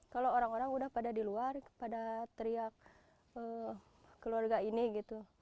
kalau orang orang udah pada di luar pada teriak keluarga ini gitu